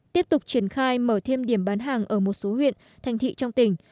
tiếp tục triển khai mở thêm điểm bán hàng ở một số huyện thành thị trong tỉnh